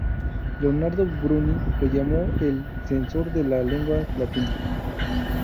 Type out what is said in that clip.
Leonardo Bruni lo llamó el "censor de la lengua latina".